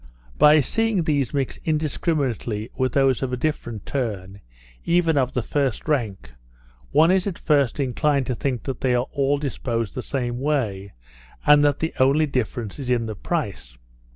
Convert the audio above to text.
By seeing these mix indiscriminately with those of a different turn, even of the first rank, one is at first inclined to think that they are all disposed the same way, and that the only difference is in the price.